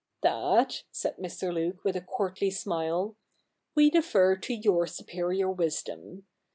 ' That,' said Mr. Luke with a courtly smile, ' we defer to your superior wisdom.